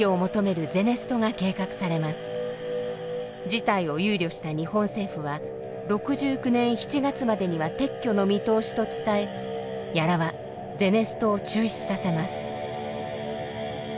事態を憂慮した日本政府は６９年７月までには撤去の見通しと伝え屋良はゼネストを中止させます。